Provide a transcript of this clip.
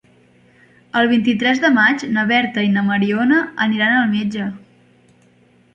El vint-i-tres de maig na Berta i na Mariona aniran al metge.